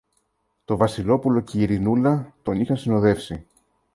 Το Βασιλόπουλο και η Ειρηνούλα τον είχαν συνοδεύσει.